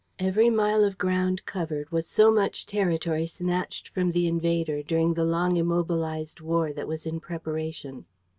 Every mile of ground covered was so much territory snatched from the invader during the long immobilized war that was in preparation.